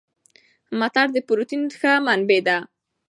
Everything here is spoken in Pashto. مټر د پروتین ښه منبع ده.